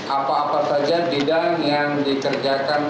apa apa saja bidang yang dikerjakan